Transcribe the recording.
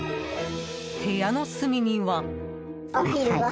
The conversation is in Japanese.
部屋の隅には。